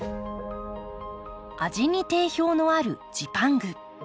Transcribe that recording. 味に定評のあるジパング。